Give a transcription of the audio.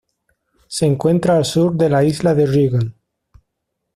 Se encuentra al sur de la isla de Rügen.